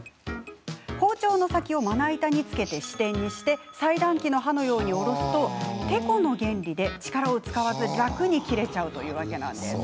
包丁の先をまな板につけて支点にして裁断機の刃のように下ろすとてこの原理で、力を使わず楽に切れちゃうというわけなんですね。